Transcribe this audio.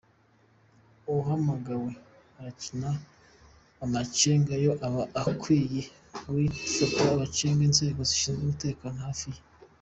Uhamagawe akagira amakenga ngo aba akwiye guhita amenyesha inzego zishinzwe umutekano hafi ye.